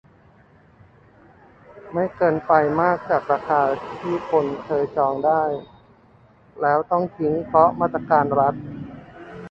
ไม่เกินไปมากจากราคาที่คนเคยจองได้แล้วต้องทิ้งเพราะมาตรการรัฐ